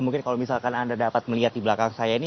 mungkin kalau misalkan anda dapat melihat di belakang saya ini